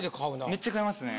めっちゃ買いますね。